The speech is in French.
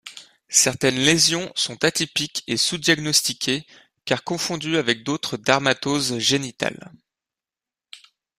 Certaines lésions sont atypiques et sous-diagnostiquées car confondues avec d’autres dermatoses génitales.